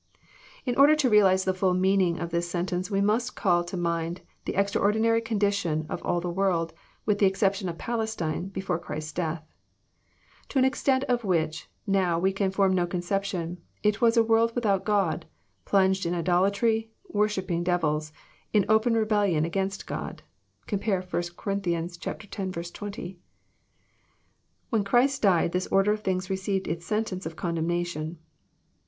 In order to realize the fhll meaning of this sentence, we must call to mind the extraordinary condition of all the world, with the exception of Palestine, before Christ's death. To an extent of which now we can form no conception, it was a world without Ood, plunged in idolatry, worshippiog devils, — in open rebel lion against God. (Compare 1 Cor. x. 20.) When Christ died, this order of things received its sentence of condemnation.